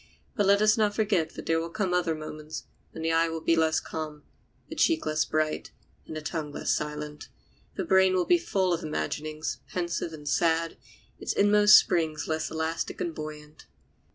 But let us not forget that there will come other moments, when the eye will be less calm, the cheek less bright, and the tongue less silent; the brain will be full of imaginings, pensive and sad, its inmost springs less elastic and buoyant.